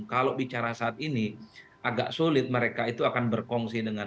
kalau bicara saat ini agak sulit mereka itu akan berkongsi dengan